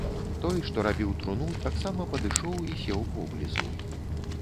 Той, што рабіў труну, таксама падышоў і сеў поблізу.